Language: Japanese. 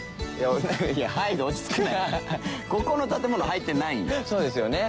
ここの建物入ってないんよ。